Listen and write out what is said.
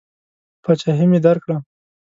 پاچهي مې درکړه.